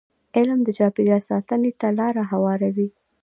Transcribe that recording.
علم د چاپېریال ساتنې ته لاره هواروي.